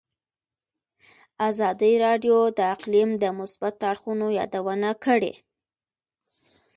ازادي راډیو د اقلیم د مثبتو اړخونو یادونه کړې.